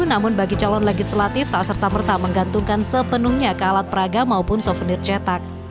namun bagi calon legislatif tak serta merta menggantungkan sepenuhnya ke alat peraga maupun souvenir cetak